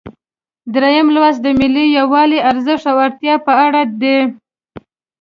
دریم لوست د ملي یووالي ارزښت او اړتیا په اړه دی.